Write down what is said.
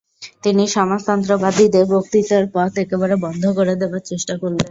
তিনি সমাজতন্ত্রবাদীদের বক্তৃতার পথ একেবারে বন্ধ করে দেবার চেষ্টা করলেন।